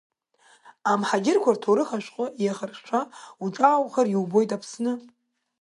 Амҳаџьырқәа рҭоурых ашәҟәы еихыршәшәо уҿааухар, иубоит Аԥсны…